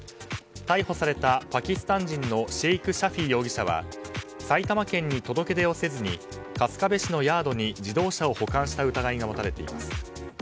逮捕されたパキスタン人のシェイク・シャフィ容疑者は埼玉県に届け出をせずに春日部氏のヤードに自動車を保管した疑いが持たれています。